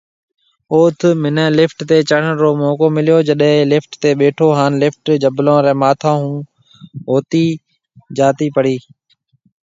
اوٿ منهي لفٽ تي چڙهڻ رو موقعو مليو، جڏي لفٽ تي ٻيٺو هان لفٽ جبلون ري ماٿون ھونهوتي هوئي جاتي پڙي تو